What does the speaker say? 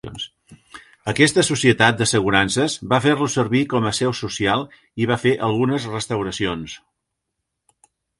Aquesta societat d'assegurances va fer-lo servir com a seu social i va fer algunes restauracions.